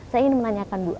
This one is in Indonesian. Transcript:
saya ingin menanyakan ibu